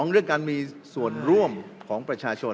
เรื่องการมีส่วนร่วมของประชาชน